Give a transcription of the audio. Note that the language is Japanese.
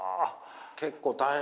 結構大変。